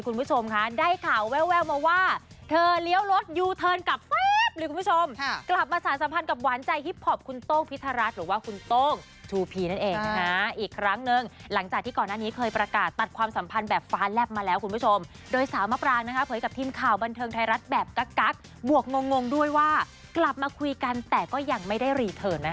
คุณผู้ชมค่ะช่วงนี้อยากจะนั่งพับเพียบคุณผู้ชมค่ะช่วงนี้อยากจะนั่งพับเพียบคุณผู้ชมค่ะช่วงนี้อยากจะนั่งพับเพียบคุณผู้ชมค่ะช่วงนี้อยากจะนั่งพับเพียบคุณผู้ชมค่ะช่วงนี้อยากจะนั่งพับเพียบคุณผู้ชมค่ะช่วงนี้อยากจะนั่งพับเพียบคุณผู้ชมค่ะช่วงนี้อยากจะนั่งพับเพียบคุณผ